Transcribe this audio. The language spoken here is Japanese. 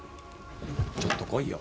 ちょっと来いよ。